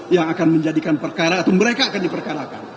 yang akan menjadikan perkara atau mereka akan diperkarakan